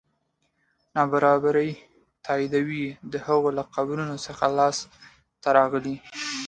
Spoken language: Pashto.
نابرابري تاییدوي د هغوی له قبرونو څخه لاسته راغلي.